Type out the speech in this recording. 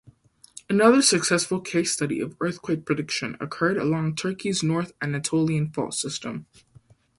Another successful case study of earthquake prediction occurred along Turkey's North Anatolian fault system.